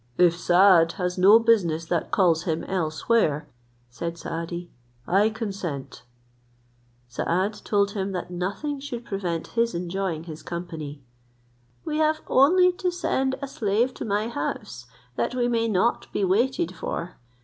"If Saad has no business that calls him elsewhere," said Saadi, "I consent." Saad told him that nothing should prevent his enjoying his company. We have only to send a slave to my house, that we may not be waited for.